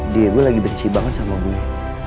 diego lagi benci banget sama gue